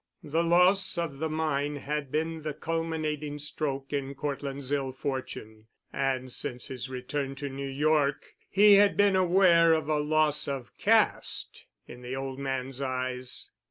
The loss of the mine had been the culminating stroke in Cortland's ill fortune, and since his return to New York he had been aware of a loss of caste in the old man's eyes.